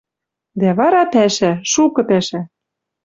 Дӓ вара — пӓшӓ. Шукы пӓшӓ.